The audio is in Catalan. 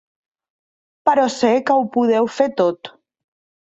Però sé que ho podeu fer tot.